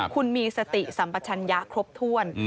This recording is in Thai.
คุณมีสติสัมปชัญญะครบถ้วน